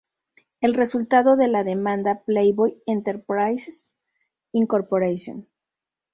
El resultado de la demanda, "Playboy Enterprises, Inc.